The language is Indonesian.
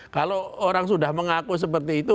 kalau orang sudah mengaku seperti itu